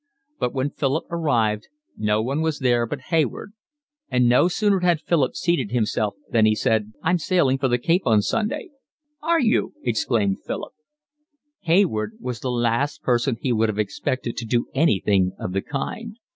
But when Philip arrived no one was there but Hayward, and no sooner had Philip seated himself than he said: "I'm sailing for the Cape on Sunday." "Are you!" exclaimed Philip. Hayward was the last person he would have expected to do anything of the kind.